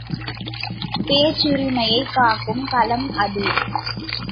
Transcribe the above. பேச்சுரிமையைக் காக்கும் களம் அது.